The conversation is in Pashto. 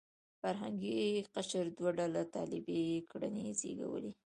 فرهنګي قشر دوه ډوله طالبي کړنې زېږولې.